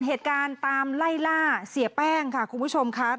เหตุการณ์ตามไล่ล่าเสียแป้งค่ะคุณผู้ชมค่ะ